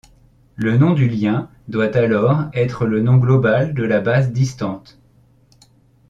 Le nom du lien doit alors être le nom global de la base distante.